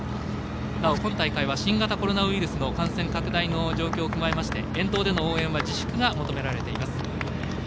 本大会は新型コロナウイルスの感染拡大の状況を踏まえまして沿道での応援は自粛が求められています。